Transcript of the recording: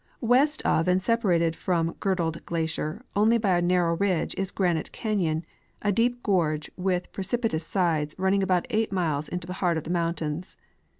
West of and separated from Girdled glacier only by a narrow ridge is Granite canyon, a deep gorge with precipitous sides, running about eight miles into the heart of the mountains.